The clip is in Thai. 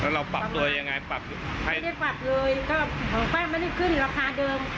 เราปรับตัวยังไงปรับไม่ได้ปรับเลยก็ของป้าไม่ได้ขึ้นราคาเดิม